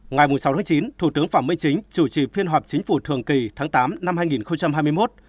ngày sáu chín thủ tướng phạm minh chính chủ trì phiên họp chính phủ thường kỳ tháng tám năm hai nghìn hai mươi một